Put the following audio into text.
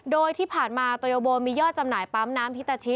โดยที่ผ่านมาโตโยโบมียอดจำหน่ายปั๊มน้ำฮิตาชิ